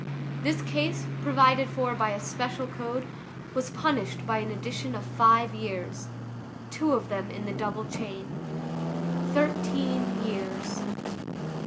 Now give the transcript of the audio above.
This case, provided for by a special code, was punished by an addition of five years, two of them in the double chain. Thirteen years.